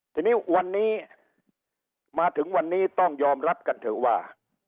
ทีนี้วันนี้มาถึงวันนี้ต้องยอมรับกันเถอะว่า